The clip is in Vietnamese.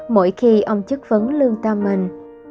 mỗi khi ông chức vấn lương tâm mình